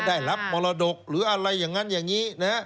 ได้รับมรดกหรืออะไรอย่างนั้นอย่างนี้นะ